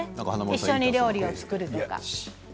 一緒に料理を作るとか。